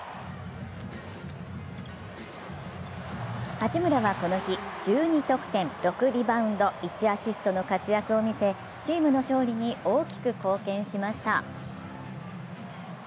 八村はこの日、１２得点６リバウンド１アシストの活躍を見せチームの勝利に大きく貢献しました。